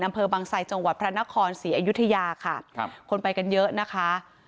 อำเภอบางไซจังหวัดพระนครศรีอยุธยาค่ะครับคนไปกันเยอะนะคะ